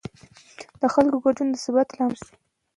د خلکو ګډون د ثبات لامل ګرځي